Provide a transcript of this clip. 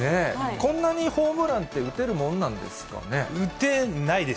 こんなにホームランって打て打てないです。